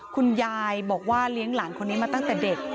คุณยายบอกว่าเลี้ยงหลานคนนี้มาตั้งแต่เด็ก